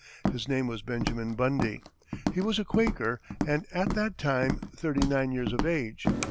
His name was Benjamin Bundy. He was a Quaker, and at that time thirty nine years of age.